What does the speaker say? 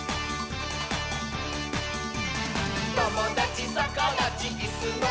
「ともだちさかだちいすのまち」